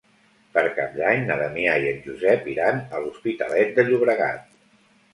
Per Cap d'Any na Damià i en Josep iran a l'Hospitalet de Llobregat.